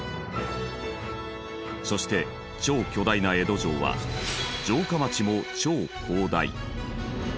そして超巨大な江戸城は城下町も超広大！